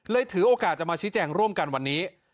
ถือโอกาสจะมาชี้แจงร่วมกันวันนี้